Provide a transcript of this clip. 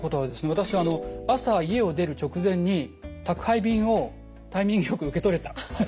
私朝家を出る直前に宅配便をタイミングよく受け取れた。